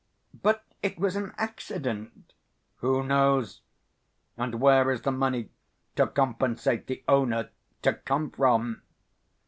"But it was an accident." "Who knows? And where is the money to compensate the owner to come from?"